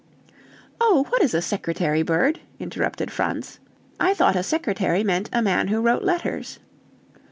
"Oh, what is a secretary bird?" interrupted Franz. "I thought a secretary meant a man who wrote letters."